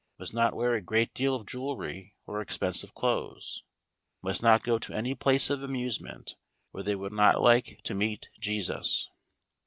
Must not wear a great deal of jewellery or expensive clothes. Must not go to any place of amusement where they would not like to meet Jesus.